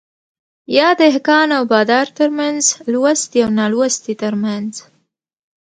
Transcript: يا دهقان او بادار ترمنځ ،لوستي او نالوستي ترمنځ